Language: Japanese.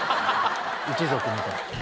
『一族』みたいな。